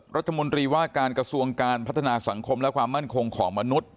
รัฐมนตรีว่าการกระทรวงการพัฒนาสังคมและความมั่นคงของมนุษย์